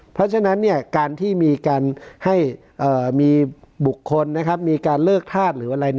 เพราะฉะนั้นการที่มีการให้มีบุคคลมีการเลิกธาตุหรืออะไร